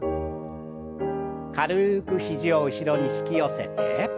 軽く肘を後ろに引き寄せて。